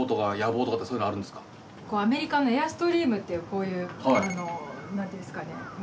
アメリカのエアストリームっていうこういうあの何ていうんですかね。